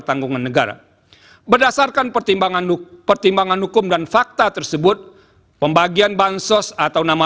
tanggungan negara berdasarkan pertimbangan hukum dan fakta tersebut pembagian bansos atau nama